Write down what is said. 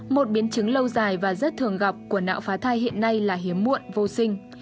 một biến chứng lâu dài và rất thường gặp của não phá thai hiện nay là hiếm muộn vô sinh